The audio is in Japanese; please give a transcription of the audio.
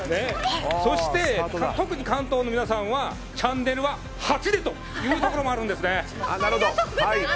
そして、特に関東の皆さんはチャンネルは８でというところもあるんですね。